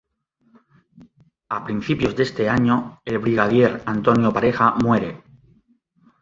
A principios de este año el Brigadier Antonio Pareja muere